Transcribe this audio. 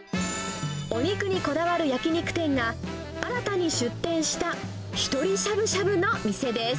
お肉にこだわる焼き肉店が、新たに出店したひとりしゃぶしゃぶの店です。